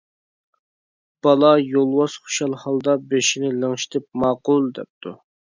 بالا يولۋاس خۇشال ھالدا بېشىنى لىڭشىتىپ «ماقۇل» دەپتۇ.